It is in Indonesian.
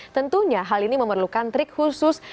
tentunya hal ini memerlukan trik khusus